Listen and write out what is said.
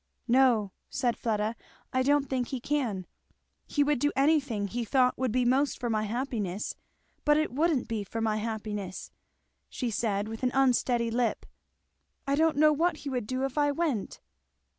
"No," said Fleda, "I don't think he can. He would do anything he thought would be most for my happiness; but it wouldn't be for my happiness," she said with an unsteady lip, "I don't know what he would do if I went!"